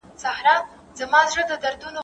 چې ستا د شونډو د ربېښلو کيسه ختمه نه ده